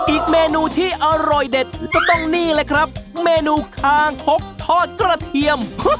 อีกเมนูที่อร่อยเด็ดก็ต้องนี่เลยครับเมนูคางคกทอดกระเทียม